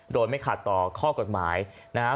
โดยไม่ขาดต่อข้อกฎหมายนะครับ